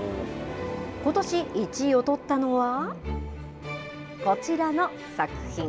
ことし、１位を取ったのは、こちらの作品。